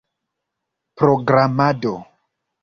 programado